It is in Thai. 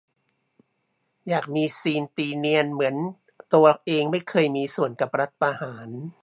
อยากมีซีน ตีเนียน เหมือนตัวเองไม่เคยมีส่วนกับรัฐประหาร